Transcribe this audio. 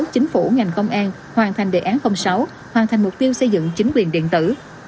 chính phủ ngành công an hoàn thành đề án sáu hoàn thành mục tiêu xây dựng chính quyền điện tử